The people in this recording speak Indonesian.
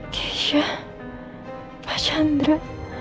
keisha pak chandra